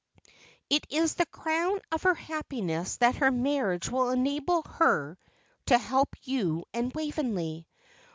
It is the crown of her happiness that her marriage will enable her to help you and Waveney.